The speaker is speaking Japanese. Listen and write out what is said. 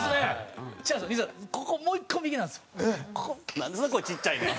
なんでそんな声ちっちゃいねん。